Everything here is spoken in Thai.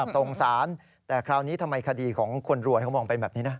สงสารแต่คราวนี้ทำไมคดีของคนรวยเขามองเป็นแบบนี้นะ